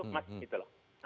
mas gitu loh